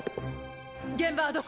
現場はどこ？